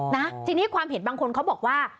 นะทีนี้ความเห็นบางคนเขาบอกว่า